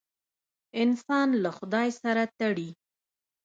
انسان له خدای سره تړي.